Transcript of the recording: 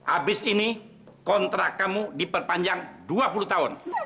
abis ini kontrak kamu diperpanjang dua puluh tahun